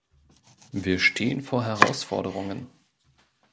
Wir stehen vor Herausforderungen.